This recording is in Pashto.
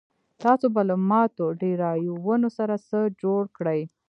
تاسو به له ماتو ډرایوونو سره څه جوړ کړئ